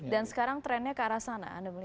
dan sekarang trendnya ke arah sana